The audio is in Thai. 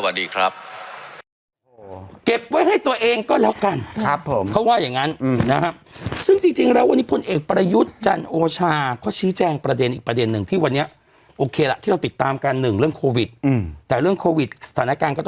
จดหมายให้นายกลาออกกันด้วยผมว่าไม่ถูก